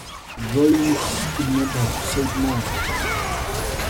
Volumes could not have said more.